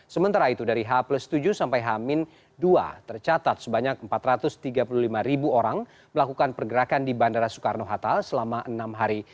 sementara itu dari h tujuh sampai h dua tercatat sebanyak empat ratus tiga puluh lima ribu orang melakukan pergerakan di bandara soekarno hatta selama enam hari